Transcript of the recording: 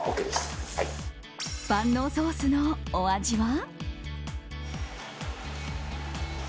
万能ソースのお味は？